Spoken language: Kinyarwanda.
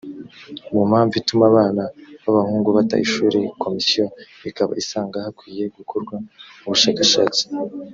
mu mpamvu ituma abana b abahungu bata ishuri komisiyo ikaba isanga hakwiye gukorwa ubushakashatsi